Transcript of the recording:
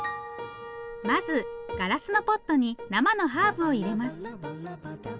まずガラスのポットに生のハーブを入れます。